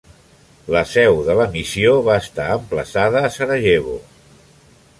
La seu de la missió va estar emplaçada a Sarajevo.